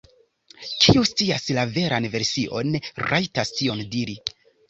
Kiu scias la veran version, rajtas tion diri.